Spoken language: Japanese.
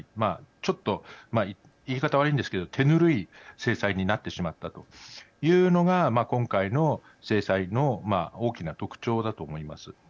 ちょっと言い方は悪いんですけど手ぬるい制裁になってしまったというのが今回の制裁の大きな特徴だと思います。